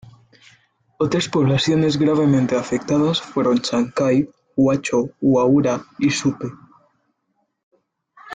Otras poblaciones gravemente afectadas fueron Chancay, Huacho, Huaura y Supe.